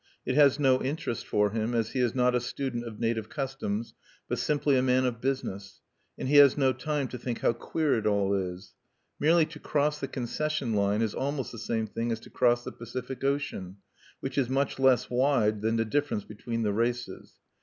It has no interest for him, as he is not a student of native customs, but simply a man of business; and he has no time to think how queer it all is. Merely to cross the concession line is almost the same thing as to cross the Pacific Ocean, which is much less wide than the difference between the races.